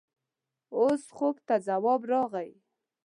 اوس خوب ته ځواب راغی.